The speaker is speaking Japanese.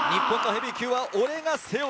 日本のヘビー級は俺が背負う。